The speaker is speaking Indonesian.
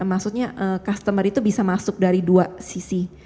maksudnya customer itu bisa masuk dari dua sisi